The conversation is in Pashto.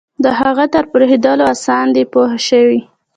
د هغه تر پرېښودلو آسان دی پوه شوې!.